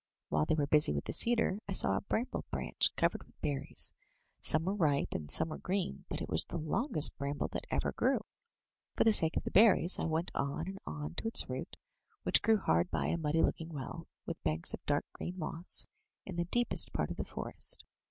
While they were busy with the cedar, I saw a bramble branch covered with berries. Some were ripe and some were green, but it was the longest bramble that ever grew; for the sake of the berries, I went on and on to its root, which grew hard by a muddy looking well, with banks of dark green moss, in the deepest part of the forest.